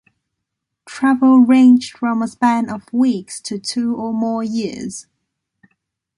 Travel ranged from a span of weeks to two or more years.